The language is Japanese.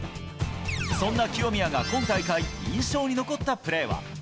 そんな清宮が今大会、印象に残ったプレーは。